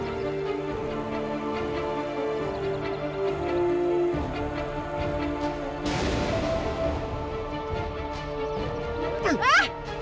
ada di toleng